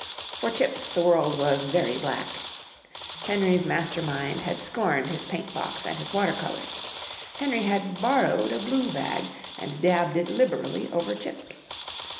For Chips the world was very black. Henry's master mind had scorned his paint box and his water colours. Henry had "borrowed" a blue bag and dabbed it liberally over Chips.